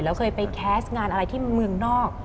แล้วเคยไปแคสต์งานอะไรที่เมืองนอก